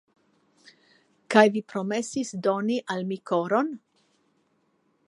Kaj vi promesis doni al mi koron?